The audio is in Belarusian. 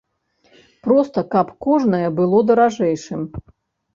Проста, каб кожнае было даражэйшым.